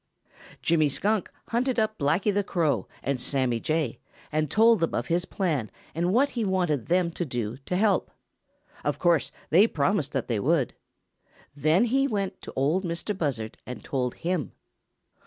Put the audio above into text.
Jimmy Skunk hunted up Blacky the Crow and Sammy Jay and told them of his plan and what he wanted them to do to help. Of course they promised that they would. Then he went to Ol' Mistah Buzzard and told him.